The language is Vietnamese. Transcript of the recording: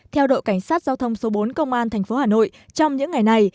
theo đội cảnh sát giao thông số bốn công an tp hà nội trong những ngày này